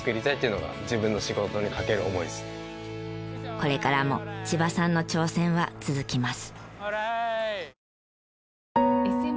これからも千葉さんの挑戦は続きます。